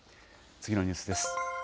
次のニュースです。